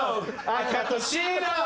赤と白！」